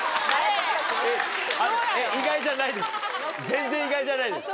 全然意外じゃないです。